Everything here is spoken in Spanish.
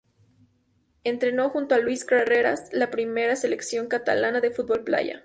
Entrenó junto a Lluis Carreras la primera Selección catalana de Fútbol Playa.